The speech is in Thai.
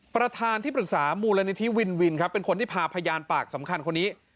ประธานที่ปรึกษามูลนิธิวินวินครับเป็นคนที่พาพยานปากสำคัญคนนี้